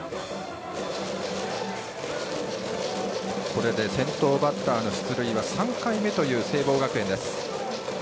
これで先頭バッターの出塁は３回目という聖望学園。